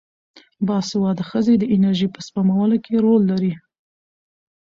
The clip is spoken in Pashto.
باسواده ښځې د انرژۍ په سپمولو کې رول لري.